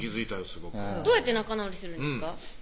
すごくどうやって仲直りするんですか？